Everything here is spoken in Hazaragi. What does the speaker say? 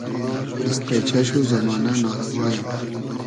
دیست پݷچۂ شو زئمانۂ نا رئوا یۂ